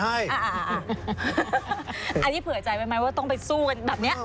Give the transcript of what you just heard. ทำนี่เผื่อใจไว้ไหมว่าต้องไปสู้กัน